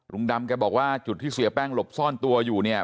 ลุงดำแกบอกว่าจุดที่เสียแป้งหลบซ่อนตัวอยู่เนี่ย